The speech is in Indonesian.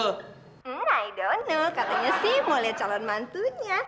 hmm i don't know katanya sih mau liat calon mantunya